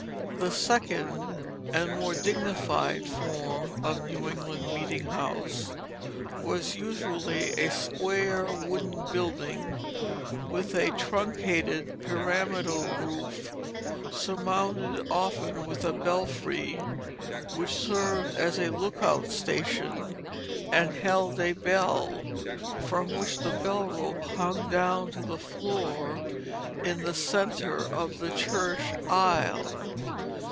The second and more dignified form of New England meeting house was usually a square wooden building with a truncated pyramidal roof, surmounted often with a belfry, which served as a lookout station and held a bell, from which the bell rope hung down to the floor in the centre of the church aisle.